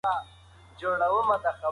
ټولنپوهنه تر نورو علومو ډېره هیجاني ده.